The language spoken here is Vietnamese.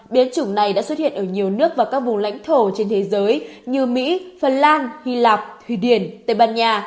biến chủng này đã xuất hiện ở nhiều nước và các vùng lãnh thổ trên thế giới như mỹ phần lan hy lạp thụy điển tây ban nha